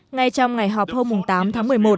ngay trong ngày họp hôm tám tháng một mươi một